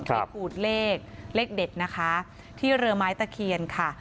ขูดเลขเลขเด็ดนะคะที่เรือไม้ตะเคียนค่ะ